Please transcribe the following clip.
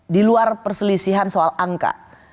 di luar perselisihan soal angka